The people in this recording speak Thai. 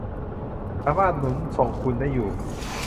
สามารถหนุนส่งคุณได้อยู่